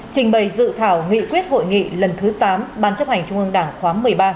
trình bày dự thảo nghị quyết hội nghị lần thứ tám ban chấp hành trung ương đảng khóa một mươi ba